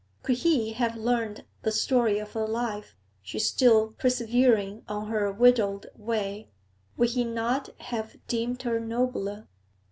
Could he have learnt the story of her life, she still persevering on her widowed way, would he not have deemed her nobler?